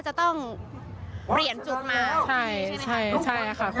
จะต้องเปลี่ยนจุดมาใช่ไหมครับ